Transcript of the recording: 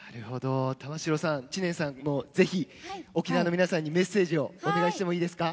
玉城さん、知念さんもぜひ沖縄の皆さんにメッセージをお願いしてもいいですか？